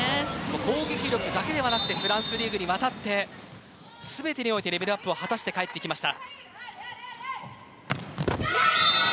攻撃力だけではなくフランスリーグに渡って全てにおいてレベルアップを果たして帰ってきました。